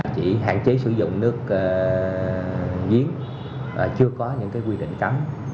chỉ hạn chế sử dụng nước nghiến chưa có những quy định cấm